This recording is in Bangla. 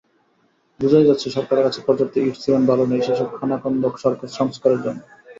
বোঝাই যাচ্ছে সরকারের কাছে পর্যাপ্ত ইট-সিমেন্ট-বালু নেই সেসব খানাখন্দ সংস্কারের জন্য।